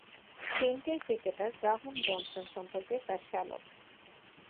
কেন্টের cricketer Graham Johnson সম্পর্কে তার শ্যালক।